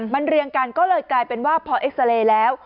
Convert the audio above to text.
มันเรียงกันก็เลยกลายเป็นว่าพอเอ็กซาเรย์แล้ว